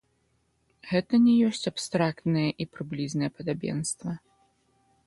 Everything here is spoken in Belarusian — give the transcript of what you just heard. Гэта не ёсць абстрактнае і прыблізнае падабенства.